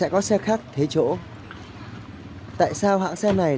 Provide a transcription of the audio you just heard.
có mất phí không ạ